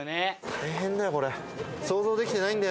大変だよこれ。